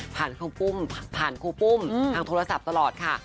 ครูปุ้มผ่านครูปุ้มทางโทรศัพท์ตลอดค่ะ